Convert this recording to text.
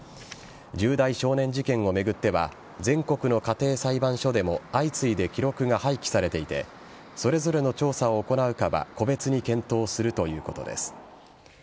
重大少年事件を巡っては全国の家庭裁判所でも相次いで記録が廃棄されていてそれぞれの調査を行うかは個別に検討するということです。